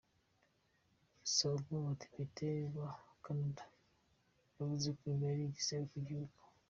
Gusa umwe mu badepite ba Canada yavuze ko ibi ari igisebo ku gihugu.